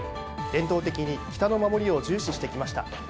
伝統的に北の守りを重視してきました。